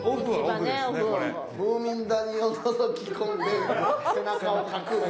ムーミン谷をのぞき込んで背中をかく三島いらんって。